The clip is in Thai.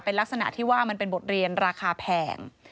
เป็นลักษณะที่ว่ามันเป็นบทเรียนราคาแพง